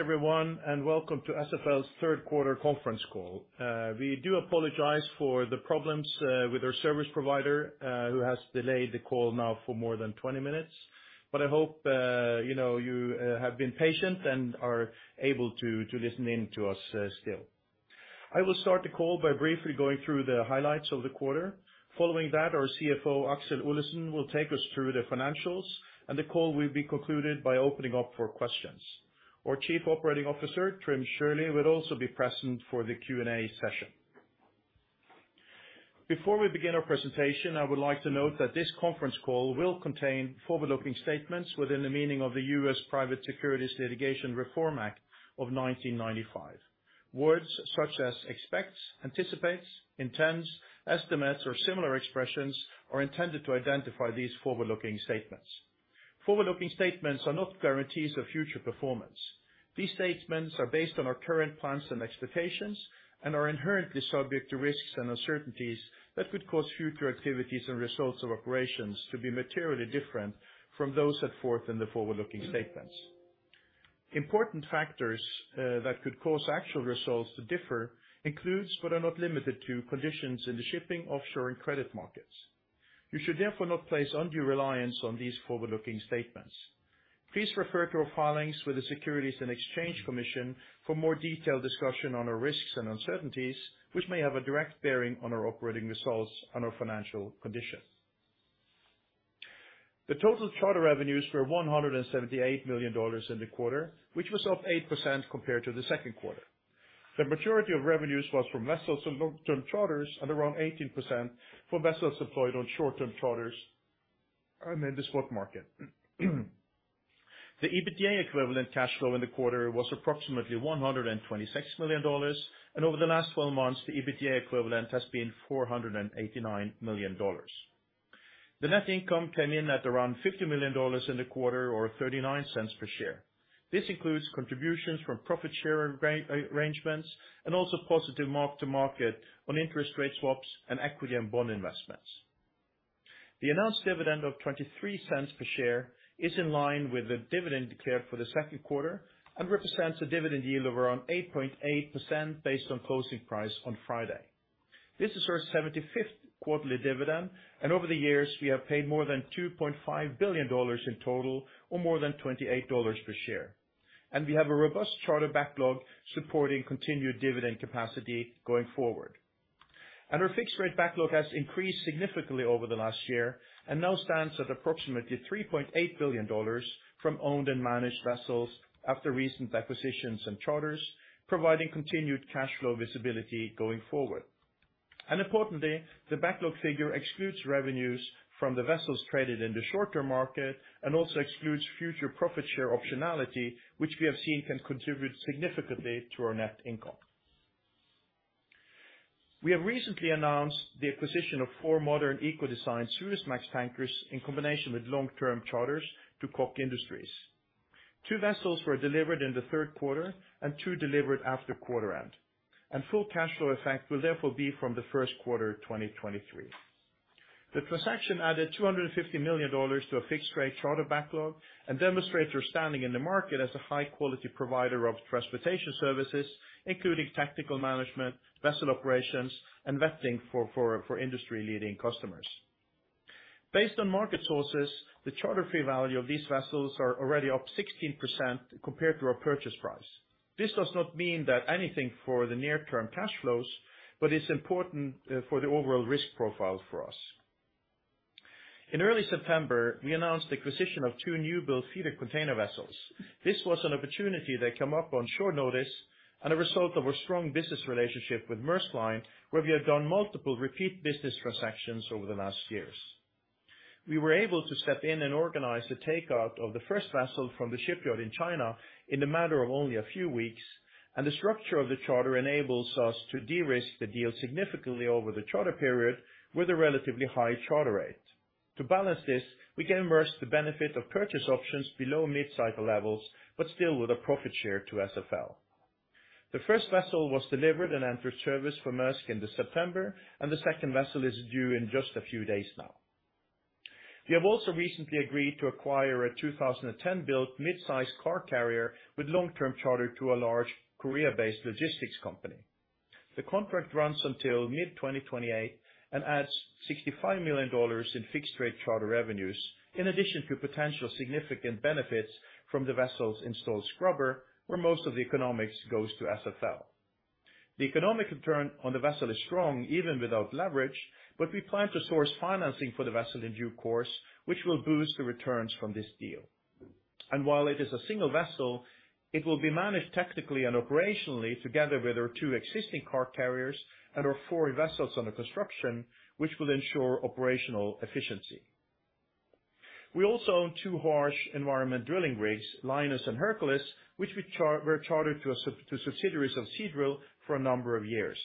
Everyone, welcome to SFL's third quarter conference call. We do apologize for the problems with our service provider who has delayed the call now for more than 20 minutes. I hope you know you have been patient and are able to listen in to us still. I will start the call by briefly going through the highlights of the quarter. Following that, our CFO, Aksel Olesen, will take us through the financials, and the call will be concluded by opening up for questions. Our Chief Operating Officer, Trym Sjølie, will also be present for the Q&A session. Before we begin our presentation, I would like to note that this conference call will contain forward-looking statements within the meaning of the U.S. Private Securities Litigation Reform Act of 1995. Words such as expects, anticipates, intends, estimates, or similar expressions are intended to identify these forward-looking statements. Forward-looking statements are not guarantees of future performance. These statements are based on our current plans and expectations and are inherently subject to risks and uncertainties that could cause future activities and results of operations to be materially different from those set forth in the forward-looking statements. Important factors, that could cause actual results to differ includes, but are not limited to, conditions in the shipping, offshore, and credit markets. You should therefore not place undue reliance on these forward-looking statements. Please refer to our filings with the Securities and Exchange Commission for more detailed discussion on our risks and uncertainties, which may have a direct bearing on our operating results and our financial condition. The total charter revenues were $178 million in the quarter, which was up 8% compared to the second quarter. The majority of revenues was from vessels and long-term charters at around 18% for vessels employed on short-term charters in the spot market. The EBITDA equivalent cash flow in the quarter was approximately $126 million, and over the last 12 months, the EBITDA equivalent has been $489 million. The net income came in at around $50 million in the quarter or $0.39 per share. This includes contributions from profit share arrangements and also positive mark-to-market on interest rate swaps and equity and bond investments. The announced dividend of $0.23 per share is in line with the dividend declared for the second quarter and represents a dividend yield of around 8.8% based on closing price on Friday. This is our 75th quarterly dividend, and over the years, we have paid more than $2.5 billion in total or more than $28 per share. We have a robust charter backlog supporting continued dividend capacity going forward. Our fixed rate backlog has increased significantly over the last year and now stands at approximately $3.8 billion from owned and managed vessels after recent acquisitions and charters, providing continued cash flow visibility going forward. Importantly, the backlog figure excludes revenues from the vessels traded in the short-term market and also excludes future profit share optionality, which we have seen can contribute significantly to our net income. We have recently announced the acquisition of four modern eco-designed Suezmax tankers in combination with long-term charters to Koch Industries. Two vessels were delivered in the third quarter and two delivered after quarter end, and full cash flow effect will therefore be from the first quarter of 2023. The transaction added $250 million to a fixed rate charter backlog and demonstrates our standing in the market as a high quality provider of transportation services, including technical management, vessel operations, and vetting for industry-leading customers. Based on market sources, the charter fee value of these vessels are already up 16% compared to our purchase price. This does not mean that anything for the near-term cash flows, but it's important for the overall risk profile for us. In early September, we announced the acquisition of two new build feeder container vessels. This was an opportunity that came up on short notice and a result of our strong business relationship with Maersk Line, where we have done multiple repeat business transactions over the last years. We were able to step in and organize the takeout of the first vessel from the shipyard in China in a matter of only a few weeks. The structure of the charter enables us to de-risk the deal significantly over the charter period with a relatively high charter rate. To balance this, we can enjoy the benefit of purchase options below mid-cycle levels, but still with a profit share to SFL. The first vessel was delivered and entered service for Maersk end of September, and the second vessel is due in just a few days now. We have also recently agreed to acquire a 2010-built mid-size car carrier with long-term charter to a large Korea-based logistics company. The contract runs until mid-2028 and adds $65 million in fixed rate charter revenues, in addition to potential significant benefits from the vessel's installed scrubber, where most of the economics goes to SFL. The economic return on the vessel is strong, even without leverage, but we plan to source financing for the vessel in due course, which will boost the returns from this deal. While it is a single vessel, it will be managed technically and operationally together with our two existing car carriers and our four vessels under construction, which will ensure operational efficiency. We also own two harsh environment drilling rigs, Linus and Hercules, which were chartered to subsidiaries of Seadrill for a number of years.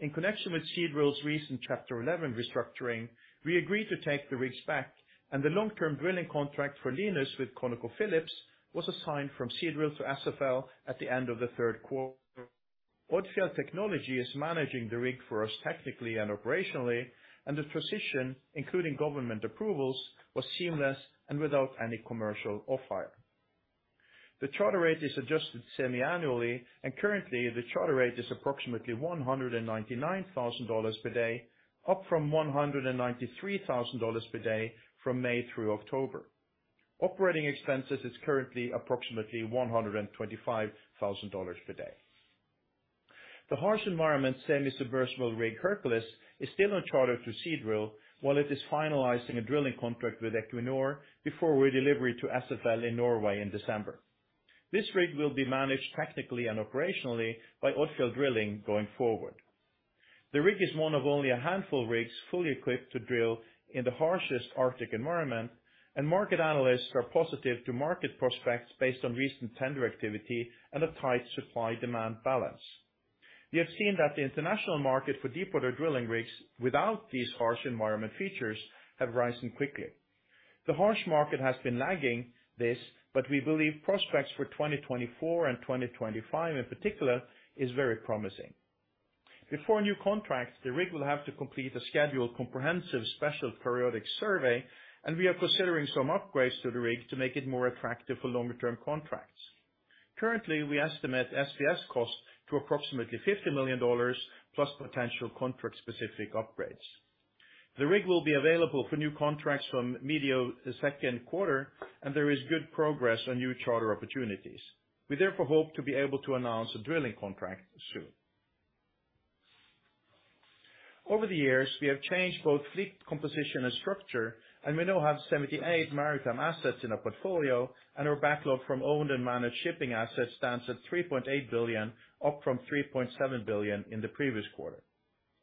In connection with Seadrill's recent Chapter 11 restructuring, we agreed to take the rigs back, and the long-term drilling contract for Linus with ConocoPhillips was assigned from Seadrill to SFL at the end of the third quarter. Odfjell Technology is managing the rig for us technically and operationally, and the transition, including government approvals, was seamless and without any commercial off-hire. The charter rate is adjusted semi-annually, and currently the charter rate is approximately $199,000 per day, up from $193,000 per day from May through October. Operating expenses is currently approximately $125,000 per day. The harsh environment semi-submersible rig, Hercules, is still on charter to Seadrill while it is finalizing a drilling contract with Equinor before we deliver it to SFL in Norway in December. This rig will be managed technically and operationally by Odfjell Drilling going forward. The rig is one of only a handful of rigs fully equipped to drill in the harshest Arctic environment, and market analysts are positive to market prospects based on recent tender activity and a tight supply-demand balance. We have seen that the international market for deepwater drilling rigs without these harsh environment features have risen quickly. The harsh market has been lagging this, but we believe prospects for 2024 and 2025 in particular is very promising. Before a new contract, the rig will have to complete a scheduled comprehensive special periodical survey, and we are considering some upgrades to the rig to make it more attractive for longer term contracts. Currently, we estimate SPS costs to approximately $50 million, plus potential contract specific upgrades. The rig will be available for new contracts from mid the second quarter, and there is good progress on new charter opportunities. We therefore hope to be able to announce a drilling contract soon. Over the years, we have changed both fleet composition and structure, and we now have 78 maritime assets in our portfolio, and our backlog from owned and managed shipping assets stands at $3.8 billion, up from $3.7 billion in the previous quarter.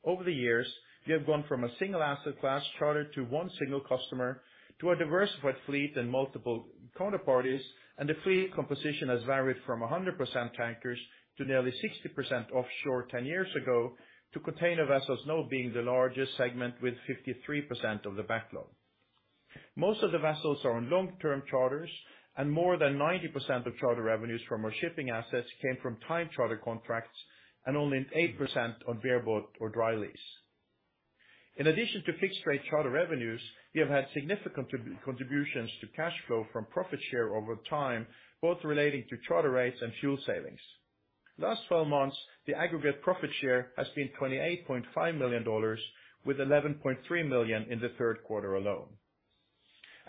Over the years, we have gone from a single asset class charter to one single customer to a diversified fleet and multiple counterparties, and the fleet composition has varied from 100% tankers to nearly 60% offshore ten years ago to container vessels now being the largest segment with 53% of the backlog. Most of the vessels are on long-term charters, and more than 90% of charter revenues from our shipping assets came from time charter contracts and only 8% on bareboat or dry lease. In addition to fixed rate charter revenues, we have had significant contributions to cash flow from profit share over time, both relating to charter rates and fuel savings. Last 12 months, the aggregate profit share has been $28.5 million, with $11.3 million in the third quarter alone.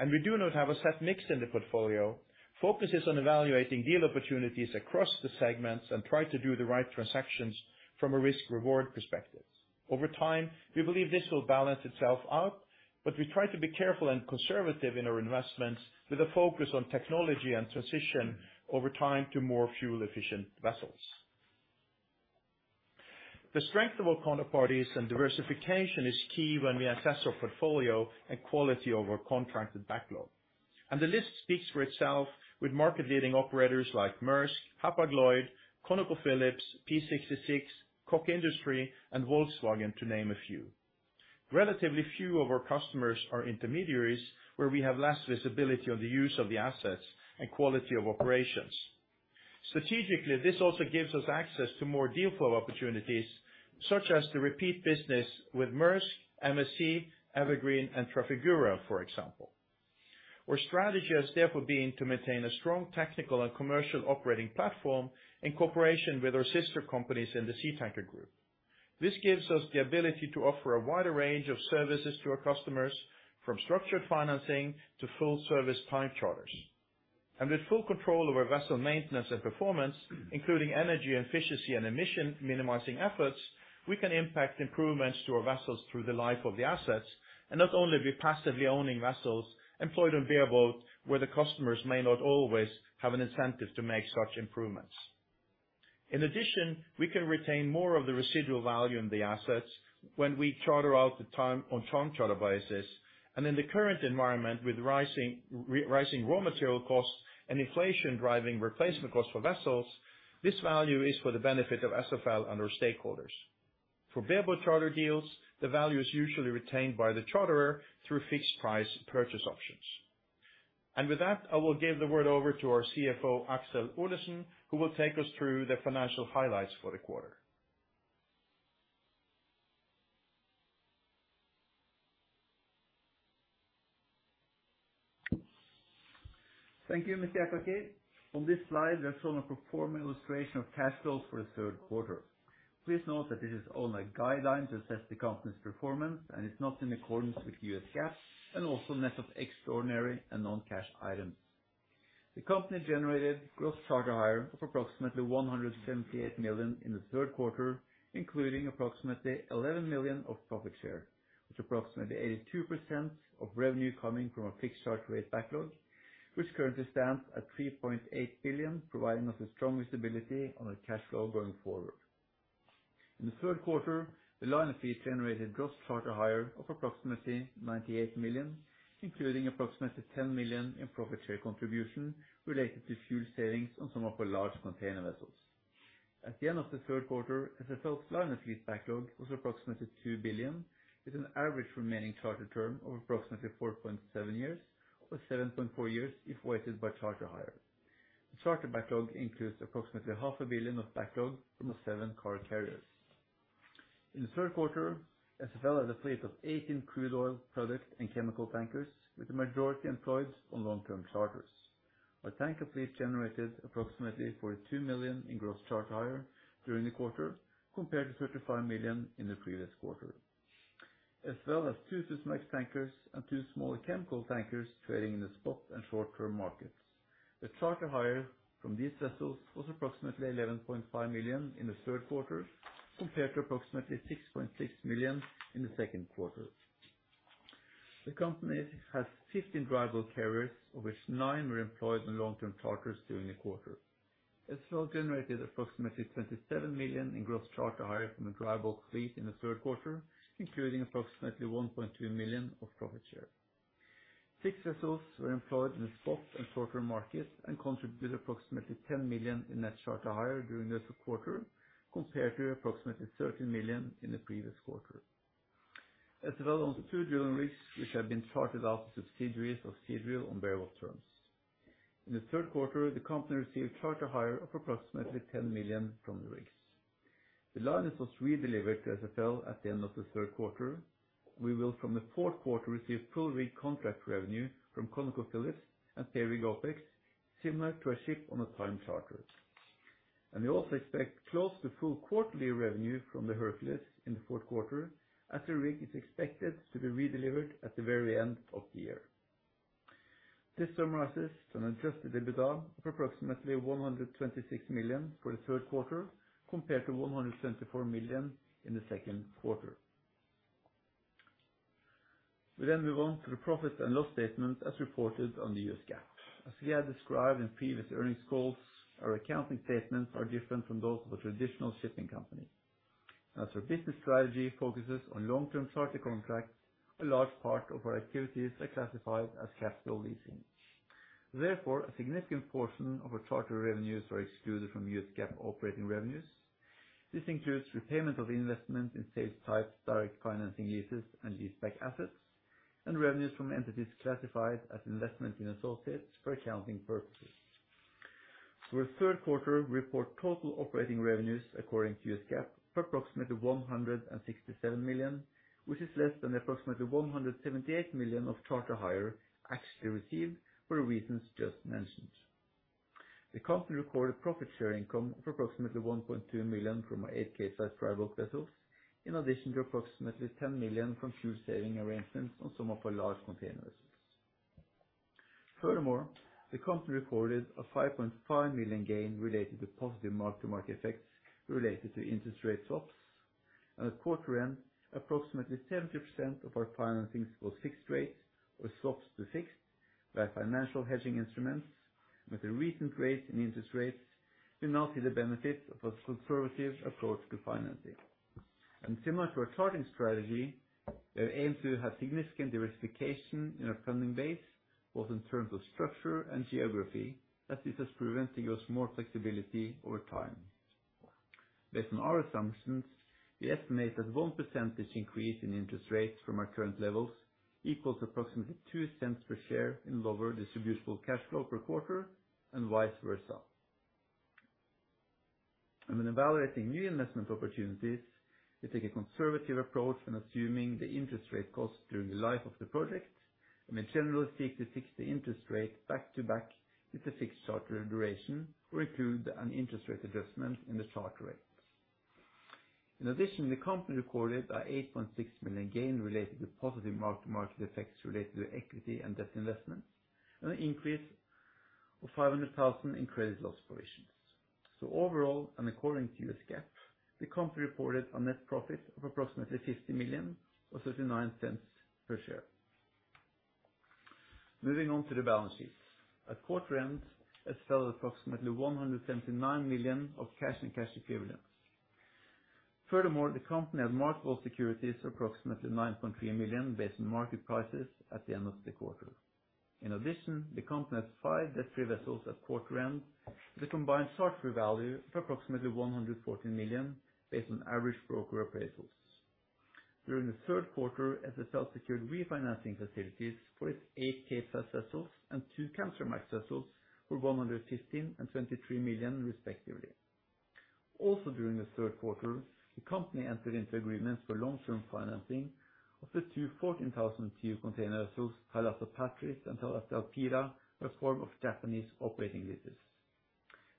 We do not have a set mix in the portfolio, focus is on evaluating deal opportunities across the segments and try to do the right transactions from a risk-reward perspective. Over time, we believe this will balance itself out, but we try to be careful and conservative in our investments with a focus on technology and transition over time to more fuel-efficient vessels. The strength of our counterparties and diversification is key when we assess our portfolio and quality of our contracted backlog. The list speaks for itself with market leading operators like Maersk, Hapag-Lloyd, ConocoPhillips, Phillips 66, Koch Industries, and Volkswagen, to name a few. Relatively few of our customers are intermediaries, where we have less visibility on the use of the assets and quality of operations. Strategically, this also gives us access to more deal flow opportunities, such as the repeat business with Maersk, MSC, Evergreen, and Trafigura, for example. Our strategy has therefore been to maintain a strong technical and commercial operating platform in cooperation with our sister companies in the Seatankers Group. This gives us the ability to offer a wider range of services to our customers, from structured financing to full service time charters. With full control over vessel maintenance and performance, including energy efficiency and emission minimizing efforts, we can impact improvements to our vessels through the life of the assets, and not only be passively owning vessels employed on bareboat, where the customers may not always have an incentive to make such improvements. In addition, we can retain more of the residual value in the assets when we charter out the time on time charter basis. In the current environment, with rising, re-rising raw material costs and inflation driving replacement costs for vessels, this value is for the benefit of SFL and our stakeholders. For bareboat charter deals, the value is usually retained by the charterer through fixed price purchase options. With that, I will give the word over to our CFO, Aksel Olesen, who will take us through the financial highlights for the quarter. Thank you, Ole Hjertaker. On this slide, there's shown a pro forma illustration of cash flow for the third quarter. Please note that this is only a guideline to assess the company's performance, and it's not in accordance with U.S. GAAP and also net of extraordinary and non-cash items. The company generated gross charter hire of approximately $178 million in the third quarter, including approximately $11 million of profit share, with approximately 82% of revenue coming from a fixed charter rate backlog, which currently stands at $3.8 billion, providing us with strong visibility on our cash flow going forward. In the third quarter, the liner fleet generated gross charter hire of approximately $98 million, including approximately $10 million in profit share contribution related to fuel savings on some of our large container vessels. At the end of the third quarter, SFL's liner fleet backlog was approximately $2 billion, with an average remaining charter term of approximately 4.7 years, or 7.4 years if weighted by charter hire. The charter backlog includes approximately $0.5 billion of backlog from the seven car carriers. In the third quarter, SFL had a fleet of 18 crude oil product and chemical tankers, with the majority employed on long-term charters. Our tanker fleet generated approximately $42 million in gross charter hire during the quarter compared to $35 million in the previous quarter. SFL has two Supramax tankers and two smaller chemical tankers trading in the spot and short-term markets. The charter hire from these vessels was approximately $11.5 million in the third quarter compared to approximately $6.6 million in the second quarter. The company has 15 dry bulk carriers of which nine were employed in long-term charters during the quarter. SFL generated approximately $27 million in gross charter hire from the dry bulk fleet in the third quarter, including approximately $1.2 million of profit share. Six vessels were employed in the spot and short-term market and contributed approximately $10 million in net charter hire during this quarter compared to approximately $13 million in the previous quarter. SFL owns two drilling rigs which have been chartered out to subsidiaries of Seadrill on bareboat terms. In the third quarter, the company received charter hire of approximately $10 million from the rigs. The Linus was redelivered to SFL at the end of the third quarter. We will from the fourth quarter receive full rig contract revenue from ConocoPhillips and per-rig OpEx similar to a ship on a time charter. We also expect close to full quarterly revenue from the Hercules in the fourth quarter as the rig is expected to be redelivered at the very end of the year. This summarizes an adjusted EBITDA of approximately $126 million for the third quarter compared to $124 million in the second quarter. We move on to the profit and loss statement as reported on the U.S. GAAP. As we had described in previous earnings calls, our accounting statements are different from those of a traditional shipping company. As our business strategy focuses on long-term charter contracts, a large part of our activities are classified as capital leasing. Therefore, a significant portion of our charter revenues are excluded from U.S. GAAP operating revenues. This includes repayment of investment in sales type, direct financing leases and leaseback assets, and revenues from entities classified as investment in associates for accounting purposes. For the third quarter, we report total operating revenues according to U.S. GAAP of approximately $167 million, which is less than the approximately $178 million of charter hire actually received for the reasons just mentioned. The company recorded profit share income of approximately $1.2 million from our Capesize dry bulk vessels, in addition to approximately $10 million from fuel saving arrangements on some of our large container vessels. Furthermore, the company recorded a $5.5 million gain related to positive mark-to-market effects related to interest rate swaps. At the quarter end, approximately 70% of our financings were fixed rate or swaps to fixed by financial hedging instruments. With the recent rates and interest rates, we now see the benefit of a conservative approach to financing. Similar to our chartering strategy, we aim to have significant diversification in our funding base, both in terms of structure and geography, as this has proven to give us more flexibility over time. Based on our assumptions, we estimate that 1% increase in interest rates from our current levels equals approximately $0.02 per share in lower distributable cash flow per quarter and vice versa. When evaluating new investment opportunities, we take a conservative approach when assuming the interest rate cost during the life of the project, and we generally seek to fix the interest rate back-to-back with the fixed charter duration or include an interest rate adjustment in the charter rate. In addition, the company recorded a $8.6 million gain related to positive mark-to-market effects related to equity and debt investments and an increase of $500,000 in credit loss provisions. Overall, and according to U.S. GAAP, the company reported a net profit of approximately $50 million or $0.39 per share. Moving on to the balance sheet. At quarter end, SFL had approximately $179 million of cash and cash equivalents. Furthermore, the company had marketable securities of approximately $9.3 million based on market prices at the end of the quarter. In addition, the company had five debt-free vessels at quarter end with a combined charter-free value of approximately $114 million based on average broker appraisals. During the third quarter, SFL secured refinancing facilities for its eight K-size vessels and two Capesize vessels for $115 million and $23 million, respectively. Also, during the third quarter, the company entered into agreements for long-term financing of the two 14,000 TEU container vessels, Thalassa Patris and Thalassa Elpida, in the form of Japanese operating leases.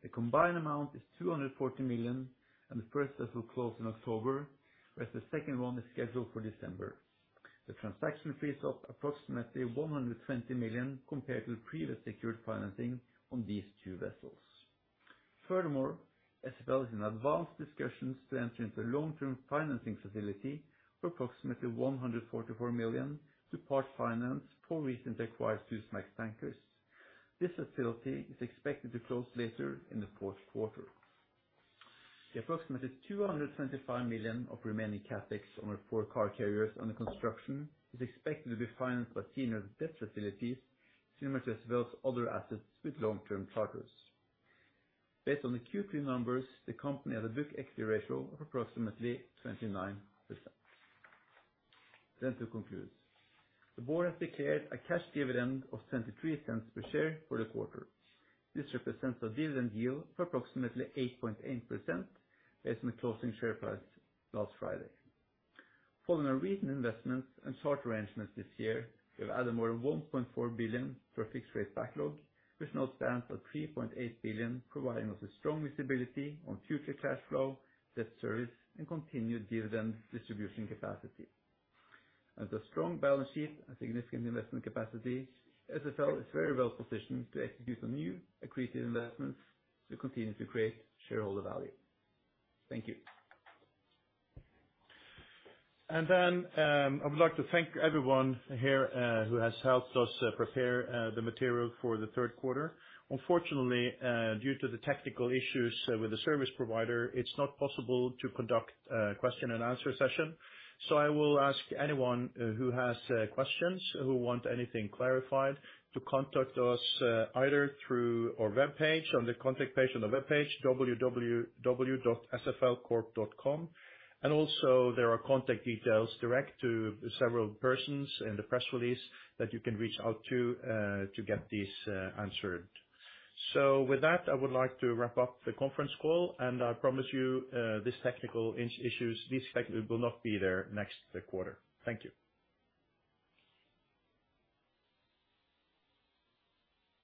The combined amount is $240 million, and the first vessel closed in October, whereas the second one is scheduled for December. The transaction frees up approximately $120 million compared to the previous secured financing on these two vessels. Furthermore, SFL is in advanced discussions to enter into a long-term financing facility for approximately $144 million to part finance four recently acquired Supramax tankers. This facility is expected to close later in the fourth quarter. The approximately $275 million of remaining CapEx on our four car carriers under construction is expected to be financed by senior debt facilities similar to SFL's other assets with long-term charters. Based on the Q3 numbers, the company has a book equity ratio of approximately 29%. To conclude, the board has declared a cash dividend of $0.23 per share for the quarter. This represents a dividend yield of approximately 8.8% based on the closing share price last Friday. Following our recent investments and charter arrangements this year, we have added more than $1.4 billion to our fixed rate backlog, which now stands at $3.8 billion, providing us with strong visibility on future cash flow, debt service, and continued dividend distribution capacity. With a strong balance sheet and significant investment capacity, SFL is very well positioned to execute on new accretive investments to continue to create shareholder value. Thank you. I would like to thank everyone here who has helped us prepare the material for the third quarter. Unfortunately, due to the technical issues with the service provider, it's not possible to conduct a question and answer session. I will ask anyone who has questions, who want anything clarified, to contact us either through our webpage, on the contact page on the webpage www.sflcorp.com. Also there are contact details direct to several persons in the press release that you can reach out to to get these answered. With that, I would like to wrap up the conference call, and I promise you, these technical issues will not be there next quarter. Thank you.